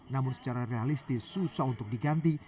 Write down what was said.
namun secara realistis susah untuk diganti